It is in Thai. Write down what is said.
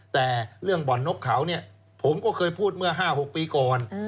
แต่เรื่องบ่อนนกเขาเนี่ยผมก็เคยพูดเมื่อ๕๖ปีก่อน